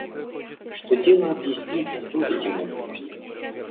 Что дело объяснить дозволите мне прежде.